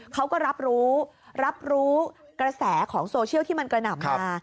เขาก็รับรู้รับรู้กระแสของโซเชียลที่มันกระหน่ำมา